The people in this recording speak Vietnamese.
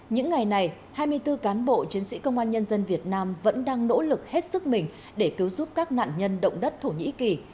những ngày này hai mươi bốn cán bộ chiến sĩ công an nhân dân việt nam vẫn đang nỗ lực hết sức mình để cứu giúp các nạn nhân động đất thổ nhĩ kỳ